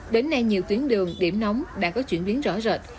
đến nay nhiều tuyến đường điểm nóng đã có chuyển biến rõ rệt